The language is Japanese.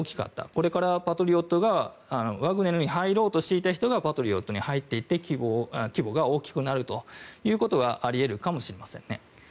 これからワグネルに入ろうとしていた人がパトリオットに入っていって規模が大きくなるということはあり得るかもしれませんね。